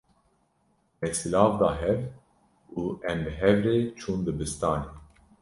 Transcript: Me silav da hev û em bi hev re çûn dibistanê.